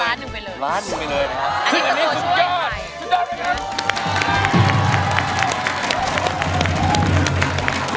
ล้านหนึ่งไปเลยนะครับ